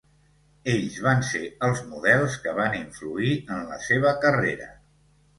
Ells van ser els models que van influir en la seva carrera.